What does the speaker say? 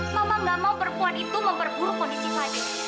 mama nggak mau perempuan itu memperburuk kondisi fadil